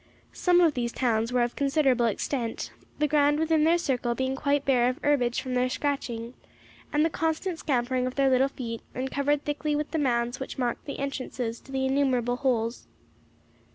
Some of these towns were of considerable extent, the ground within their circle being quite bare of herbage from their scratching, and the constant scampering of their little feet, and covered thickly with the mounds which marked the entrances to the innumerable holes.